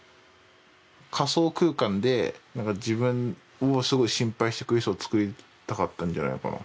仮想空間で自分をすごい心配してくれる人を作りたかったんじゃないかな。